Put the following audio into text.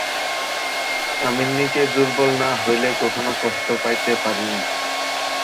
আমি নিজে দুর্বল না হইলে কখনও কষ্ট পাইতে পারি না।